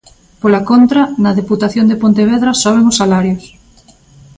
Pola contra, na Deputación de Pontevedra soben os salarios.